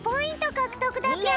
かくとくだぴょん！